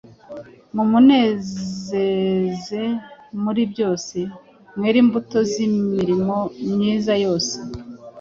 mumunezeze muri byose, mwere imbuto z’imirimo myiza yose